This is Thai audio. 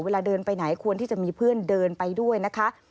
เวลาเดินไปไหนควรที่จะมีเพื่อนเดินไปด้วยนะคะ